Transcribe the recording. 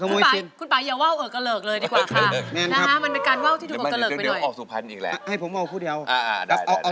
คุณป่าของคุณคุณอย่าว้าวเออเกลิกเลยดีกว่าค่ะ